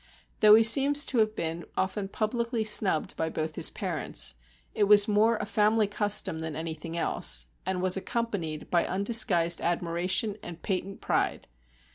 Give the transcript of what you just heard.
Though he seems to have been often publicly snubbed by both his parents, it was more a family custom than anything else, and was accompanied by undisguised admiration and patent pride.